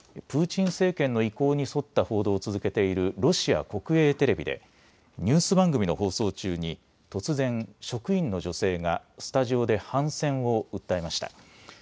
プーチン政権の意向に沿った報道を続けているロシア国営テレビでニュース番組の放送中に突然、職員の女性がスタジオで反戦を訴えました。